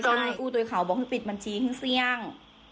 ชุมปืนคู่ตรวยเขาบอกที่ปิดบัญชีขึ้นเสรี้ยง